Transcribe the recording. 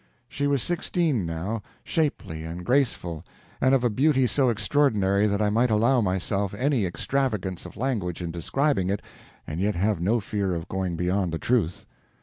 She was sixteen now, shapely and graceful, and of a beauty so extraordinary that I might allow myself any extravagance of language in describing it and yet have no fear of going beyond the truth.